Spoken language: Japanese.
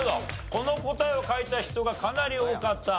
この答えを書いた人がかなり多かった。